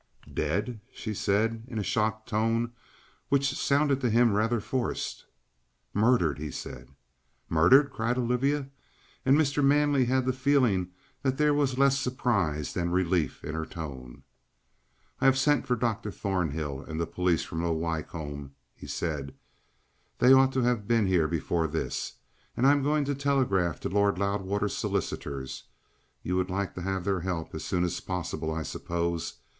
"Dead?" she said, in a shocked tone which sounded to him rather forced. "Murdered," he said. "Murdered?" cried Olivia, and Mr. Manley had the feeling that there was less surprise than relief in her tone. "I have sent for Dr. Thornhill and the police from Low Wycombe," he said. "They ought to have been here before this. And I am going to telegraph to Lord Loudwater's solicitors. You would like to have their help as soon as possible, I suppose.